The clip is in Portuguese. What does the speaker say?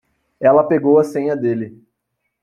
Ela pegou a senha dele.